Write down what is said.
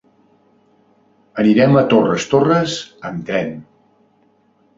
Anirem a Torres Torres amb tren.